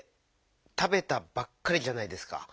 「たべた」ばっかりじゃないですか。